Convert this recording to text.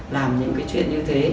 làm những cái chuyện như thế